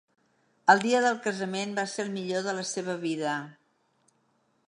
El dia del casament va ser el millor de la seva vida.